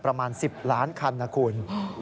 ประมาณ๑๐ล้านคันนะคุณ